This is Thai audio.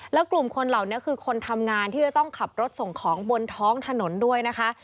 แล้วกลุ่มคนเหล่านี้คือคนทำงานที่จะต้องขับรถส่งของบนท้องถนนด้วยนะคะ